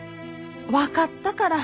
☎分かったから。